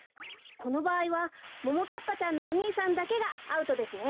このばあいはももかっぱちゃんのお兄さんだけがアウトですね。